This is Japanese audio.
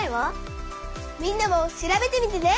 みんなも調べてみてね！